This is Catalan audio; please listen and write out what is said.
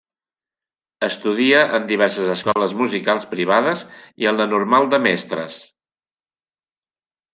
Estudia en diverses escoles musicals privades i en la Normal de Mestres.